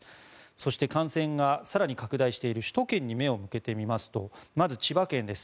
そして、感染が更に拡大している首都圏に目を向けてみますとまず、千葉県です。